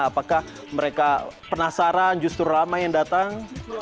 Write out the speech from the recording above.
apakah mereka penasaran justru ramai yang datang